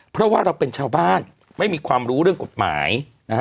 เพราะว่าเราเป็นชาวบ้านไม่มีความรู้เรื่องกฎหมายนะฮะ